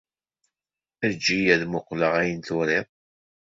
Eǧǧ-iyi ad muqqleɣ ayen i turiḍ.